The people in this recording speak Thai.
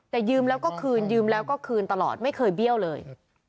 แต่ยืมแล้วก็คืนยืมแล้วก็คืนตลอดไม่เคยเบี้ยวเลย